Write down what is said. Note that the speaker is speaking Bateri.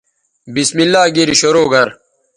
بسم اللہ گیری شرو گر